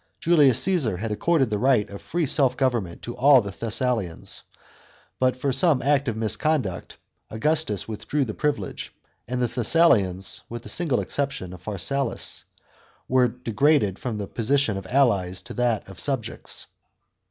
* Julius Caesar had accorded the right of free self government to all the Thessalians, but, for some act of misconduct, Augustus with drew the privilege; and the Thessalians, with the single exception of Pharsalus, were degraded from the position of allies to that of 3ubjects.